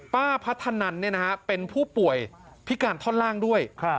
ป้าพระธนันทายะเป็นผู้ป่วยพิการท่อนร่างด้วย